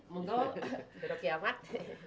monggo terima kasih amat